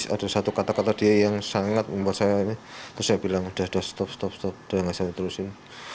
ada satu kata kata dia yang sangat membuat saya terus saya bilang udah stop udah gak bisa terusin